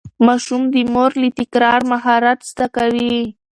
ماشوم د مور له تکرار مهارت زده کوي.